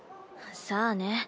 さあね。